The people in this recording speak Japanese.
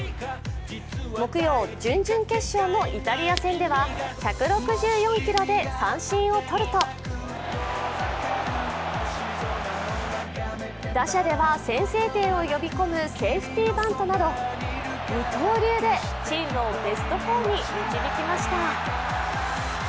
木曜、準々決勝のイタリア戦では１６４キロで三振をとると打者では先制点を呼び込むセーフティバントなど二刀流でチームをベスト４に導きました。